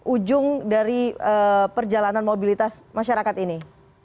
ujung dari perjalanan mobilitas masyarakat ini